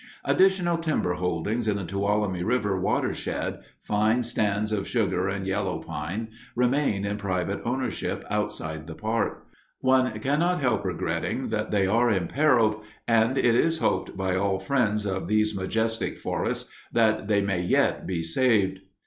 Additional timber holdings in the Tuolumne River watershed—fine stands of sugar and yellow pine—remain in private ownership outside the park. One cannot help regretting that they are imperiled, and it is hoped by all friends of these majestic forests that they may yet be saved.